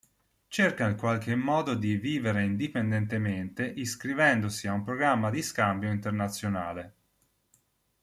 Cerca in qualche modo di vivere indipendentemente iscrivendosi a un programma di scambio internazionale.